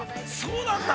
◆そうなんだ。